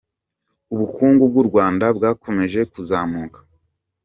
Ubukungu bw’u Rwanda bwakomeje kuzamuka